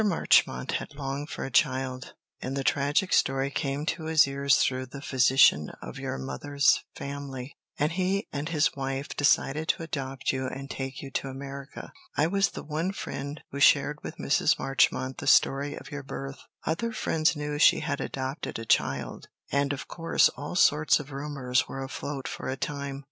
Marchmont had longed for a child, and the tragic story came to his ears through the physician of your mother's family, and he and his wife decided to adopt you and take you to America. I was the one friend who shared with Mrs. Marchmont the story of your birth. Other friends knew she had adopted a child, and of course all sorts of rumours were afloat for a time. Mr.